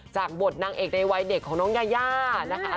จากบทนางเอกในวัยเด็กของน้องยายานะคะ